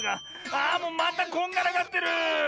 あもうまたこんがらがってる！